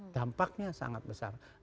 dampaknya sangat besar